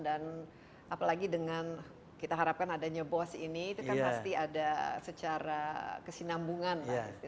dan apalagi dengan kita harapkan adanya bos ini itu kan pasti ada secara kesinambungan